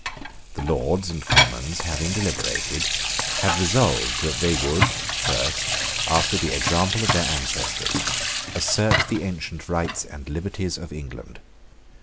The Lords and Commons, having deliberated, had resolved that they would first, after the example of their ancestors, assert the ancient rights and liberties of England.